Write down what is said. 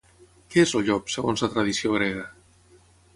Què és el llop, segons la tradició grega?